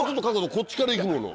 こっちから行くもの。